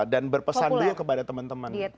dan berpesan dulu kepada teman teman